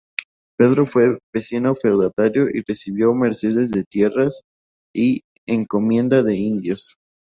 Pedro fue vecino feudatario y recibió mercedes de tierras y encomienda de indios.